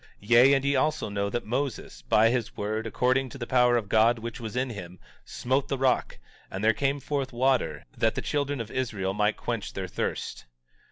17:29 Yea, and ye also know that Moses, by his word according to the power of God which was in him, smote the rock, and there came forth water, that the children of Israel might quench their thirst.